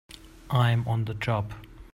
I'm on the job!